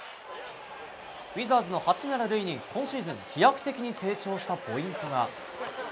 ウィザーズの八村塁に今シーズン飛躍的に成長したポイントが。